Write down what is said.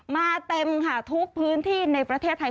มาเต็มค่ะทุกพื้นที่ในประเทศไทย